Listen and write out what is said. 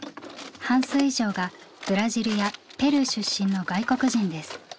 半数以上がブラジルやペルー出身の外国人です。